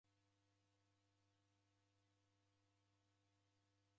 W'aw'adeda mbao.